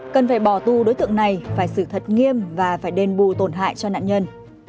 cần phải bỏ tu đối tượng này phải xử thật nghiêm và phải đền bù tổn hại cho nạn nhân